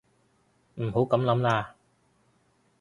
唔好噉諗啦